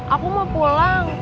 aku mau pulang